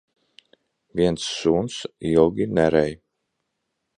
Viens suns ilgi nerej.